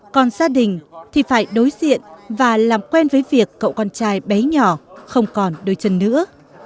còn gia đình thì phải đối diện và làm quen với việc cậu con trai bé nhỏ không còn đôi chân nữa